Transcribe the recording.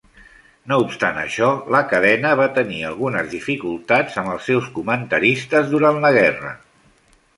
No obstant això, la cadena va tenir algunes dificultats amb els seus comentaristes durant la guerra.